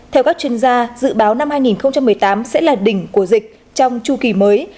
theo các chuyên gia dự báo năm hai nghìn một mươi tám sẽ là đỉnh của dịch trong chu kỳ mới